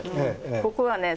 ここはね